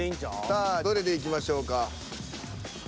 さあどれでいきましょうか。